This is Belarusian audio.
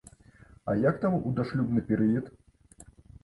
А як там у дашлюбны перыяд?